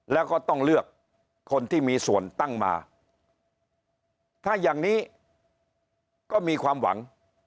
แล้วก็ต้องเลือกคนที่มีส่วนตั้งมาถ้าอย่างนี้ก็มีความหวัง